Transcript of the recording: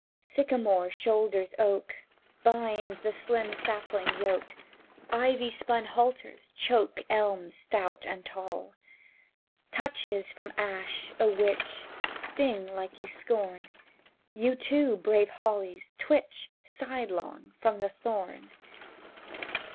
Sycamore shoulders oak, Bines the slim sapling yoke, Ivy spun halters choke Elms stout and tall. Touches from ash, O wych, Sting you like scorn! You, too, brave hollies, twitch Sidelong from thorn.